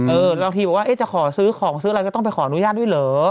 บางทีบอกว่าจะขอซื้อของซื้ออะไรก็ต้องไปขออนุญาตด้วยเหรอ